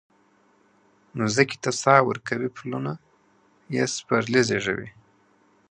مځکې ته ساه ورکوي پلونه یي سپرلي زیږوي